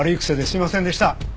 すいませんでした！